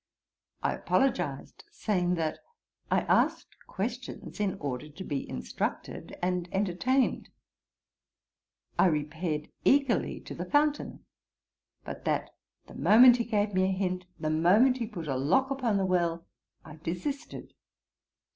I apologised, saying that 'I asked questions in order to be instructed and entertained; I repaired eagerly to the fountain; but that the moment he gave me a hint, the moment he put a lock upon the well, I desisted.'